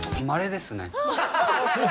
まれですね。